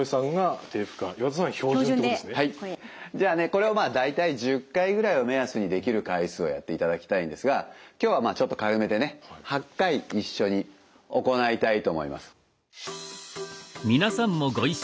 じゃあねこれを大体１０回ぐらいを目安にできる回数をやっていただきたいんですが今日はまあちょっと軽めでね８回一緒に行いたいと思います。